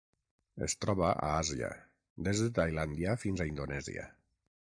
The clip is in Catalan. Es troba a Àsia: des de Tailàndia fins a Indonèsia.